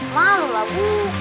malu lah bu